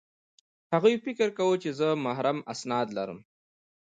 هغوی فکر کاوه چې زه محرم اسناد لرم